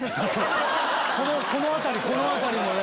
この辺りこの辺りのね。